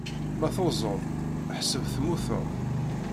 Ma tuẓeḍ-d, ḥsseb temmuteḍ!